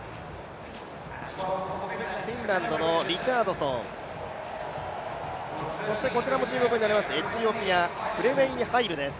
フィンランドのリチャードソン、こちらも注目になります、エチオピア、ハイルです。